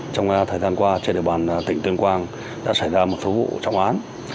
trong thời gian qua trên địa bàn tỉnh tuyên quang đã xảy ra một số vụ trọng án